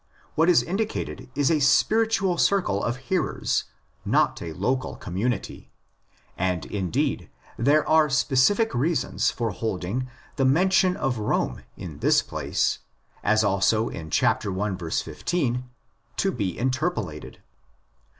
What is indicated is ἃ spiritual circle of hearers, not a local community ; and indeed there are specific reasons for holding the mention of Rome in this place, as also in 1. 15, to be interpolated.!.